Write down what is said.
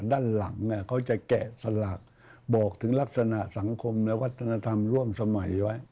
ด้านหลังเขาจะแกะสลักบอกถึงลักษณะสังคมและวัฒนธรรมร่วมสมัยไว้